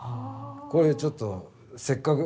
これちょっとせっかく。